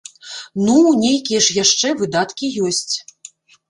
Ну, нейкія ж яшчэ выдаткі ёсць.